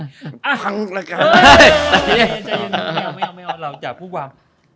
ใจยังไม่เอาเราอยากพูดความ